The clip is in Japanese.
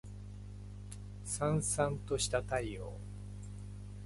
燦燦とした太陽